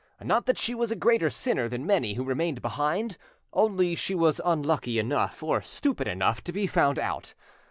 Not that she was a greater sinner than many who remained behind, only she was unlucky enough or stupid enough to be found out.